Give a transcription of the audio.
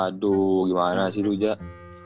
aduh gimana sih lu zak